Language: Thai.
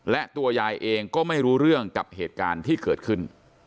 และตัวยายเองก็ไม่รู้เรื่องกับเหตุการณ์ที่เกิดขึ้น